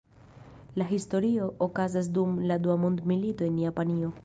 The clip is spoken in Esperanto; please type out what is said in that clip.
La historio okazas dum la dua mondmilito en Japanio.